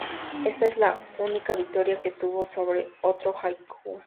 Ésta es la única victoria que tuvo sobre otro kaiju.